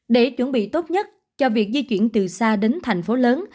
để chuẩn bị tốt nhất cho việc di chuyển từ xa đến thành phố lớn